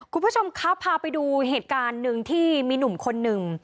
คุณผู้ชมครับพาไปดูเหตุการณ์หนึ่งที่มีหนุ่มคนหนึ่ง